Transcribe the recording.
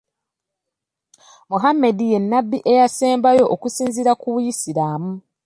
Muhammed ye nnabbi eyasembayo okusinziira ku busiraamu.